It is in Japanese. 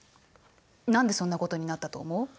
何でそんなことになったと思う？